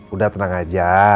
udah tenang aja